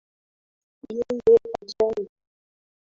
Yeye hajali